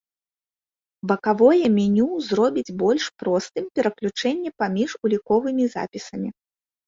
Бакавое меню зробіць больш простым пераключэнне паміж уліковымі запісамі.